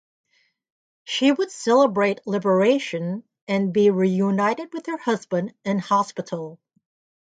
She would celebrate liberation and be reunited with her husband in hospital.